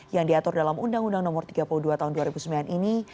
yang diatur dalam undang undang no tiga puluh dua tahun dua ribu sembilan ini